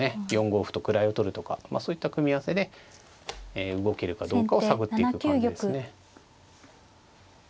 ４五歩と位を取るとかそういった組み合わせで動けるかどうかを探っていく感じですね。